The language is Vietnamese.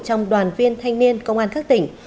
trong đoàn viên thanh niên công an các tỉnh